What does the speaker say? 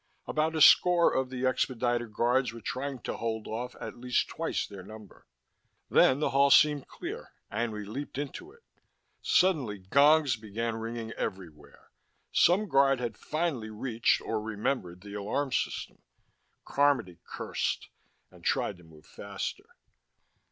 About a score of the expediter guards were trying to hold off at least twice their number. Then the hall seemed clear and we leaped into it. Suddenly gongs began ringing everywhere. Some guard had finally reached or remembered the alarm system. Carmody cursed, and tried to move faster.